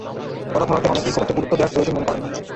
গলা ভাঙাকে অনেকেই খুব একটা গুরুত্ব দেওয়ার প্রয়োজন মনে করেন না।